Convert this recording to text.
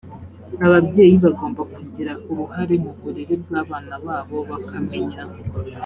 ababyeyi bagomba kugira uruhare mu burere bw abana babo bakamenya